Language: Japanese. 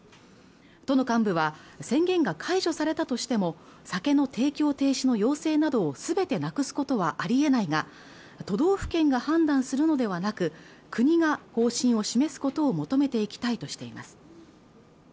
都の幹部は宣言が解除されたとしても酒の提供を停止の要請などをすべてなくすことはあり得ないが都道府県が判断するのではなく国が方針を示すことを求めていきたいとしています